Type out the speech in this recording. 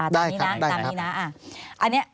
ได้ครับตามนี้นะ